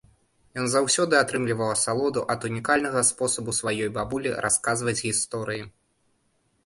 Ён заўсёды атрымліваў асалоду ад унікальнага спосабу сваёй бабулі расказваць гісторыі.